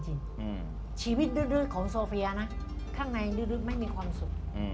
ชีวิตดื้อของโซเฟียนะข้างในลึกไม่มีความสุข